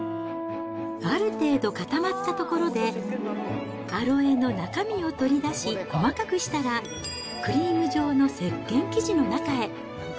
ある程度固まったところで、アロエの中身を取り出し、細かくしたら、クリーム状のせっけん生地の中へ。